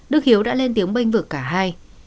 đức hiếu đã lên tiếng bênh vượt cả hai